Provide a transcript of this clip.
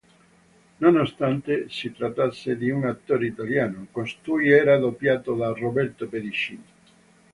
Nonostante si trattasse di un attore italiano, costui era doppiato da Roberto Pedicini.